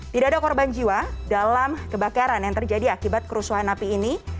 tidak ada korban jiwa dalam kebakaran yang terjadi akibat kerusuhan napi ini